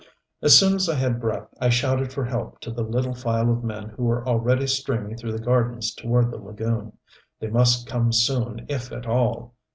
As soon as I had breath I shouted for help to the little file of men who were already streaming through the gardens toward the lagoon. They must come soon, if at all.